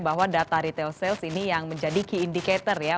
bahwa data retail sales ini yang menjadi key indicator ya